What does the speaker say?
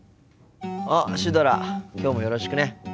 あっシュドラきょうもよろしくね。